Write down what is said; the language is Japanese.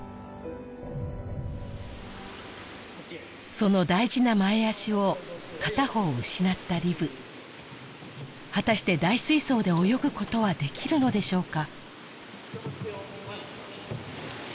その大事な前足を片方失ったリブはたして大水槽で泳ぐことはできるのでしょうか？